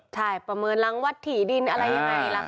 ใช่ประเมินหลังวัดถี่ดินอะไรยังไงราคาตัด